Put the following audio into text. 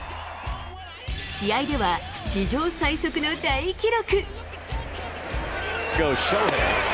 試合では史上最速の大記録。